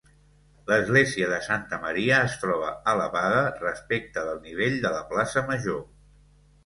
L'església de Santa Maria es troba elevada respecte del nivell de la plaça Major.